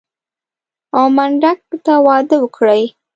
او منډک ته واده وکړي.